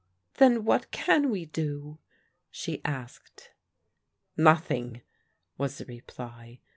" Then what can we do ?" she asked. "Nothing," was the reply.